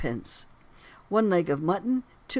one leg of mutton, 2½d.